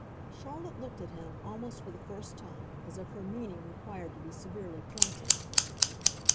Charlotte looked at him, almost for the first time, as if her meaning required to be severely pointed.